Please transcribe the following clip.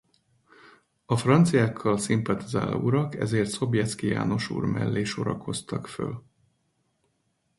A franciákkal szimpatizáló urak ezért Sobieski János mellé sorakoztak föl.